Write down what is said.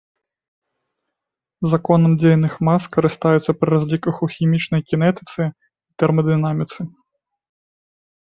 Законам дзейных мас карыстаюцца пры разліках у хімічнай кінетыцы і тэрмадынаміцы.